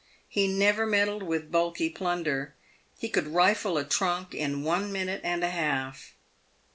He never meddled with bulky plunder. He could rifle a trunk in one minute and a half.